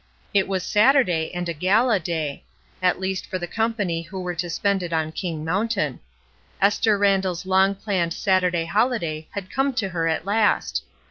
It was Satur day and a gala day; at least for the company who were to spend it on King Mountain. Esther Randall's long planned Saturday holiday had come to her at last.